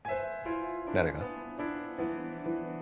誰が？